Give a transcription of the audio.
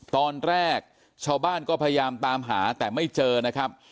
ตอนแรกชาวบ้านก็พยายามตามหาแต่ไม่เจอนะครับ